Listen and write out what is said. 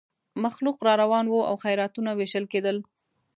مخلوق را روان وو او خیراتونه وېشل کېدل.